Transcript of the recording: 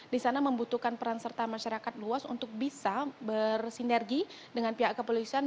disana membutuhkan peran serta masyarakat luas untuk bisa bersinergi dengan pihak keperluan